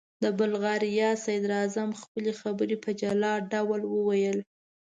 د بلغاریا صدراعظم خپلې خبرې په جلا ډول وویل.